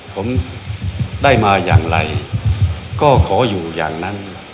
ผมได้มาอย่างไรก็ขออยู่อย่างนั้น